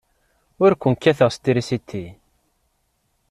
Ur ken-kkateɣ s trisiti.